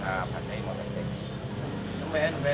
jadi pantai mau naik